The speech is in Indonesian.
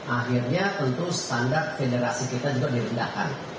akhirnya tentu standar federasi kita juga dirindahkan